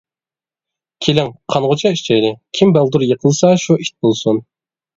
كېلىڭ، قانغۇچە ئىچەيلى، كىم بالدۇر يىقىلسا شۇ ئىت بولسۇن!